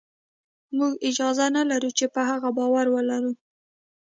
موږ اجازه نه لرو چې په هغه باور ولرو